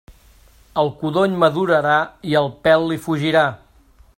El codony madurarà i el pèl li fugirà.